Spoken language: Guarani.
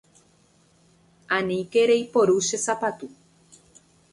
Aníke reiporu che sapatu.